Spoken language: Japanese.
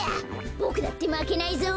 ボクだってまけないぞ。